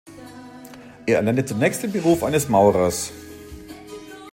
Er erlernte zunächst den Beruf eines Maurers.